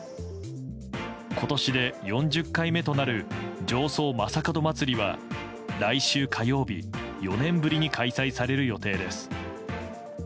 今年で４０回目となる上総将門まつりは来週火曜日４年ぶりに開催される予定です。